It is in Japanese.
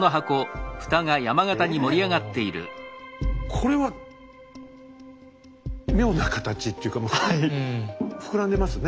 これは妙な形っていうか膨らんでますね。